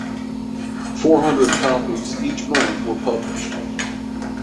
Four hundred copies each month were published.